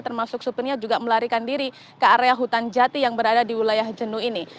termasuk supirnya juga melarikan diri ke area hutan jati yang berada di wilayah jenuh ini